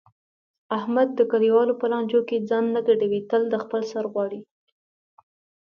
احمد د کلیوالو په لانجو کې ځان نه ګډوي تل د خپل سر غواړي.